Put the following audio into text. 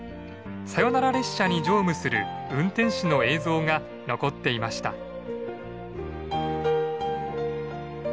サヨナラ列車に乗務する運転士の映像が残っていました。